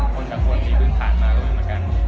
คนแต่คนมีพื้นผ่านมาก็ไม่เหมือนกัน